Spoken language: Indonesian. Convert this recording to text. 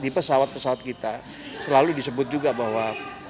di pesawat pesawat kita selalu disebut juga bahwa